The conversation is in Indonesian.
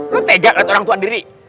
lo tega kan orang tua diri